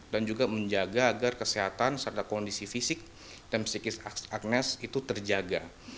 dan juga menjaga agar kesehatan serta kondisi fisik dan psikis agnes itu terjaga